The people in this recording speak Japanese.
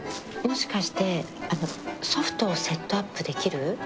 もしかしてあのソフトをセットアップできる？